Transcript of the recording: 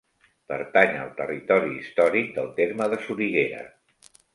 Pertany al territori històric del terme de Soriguera.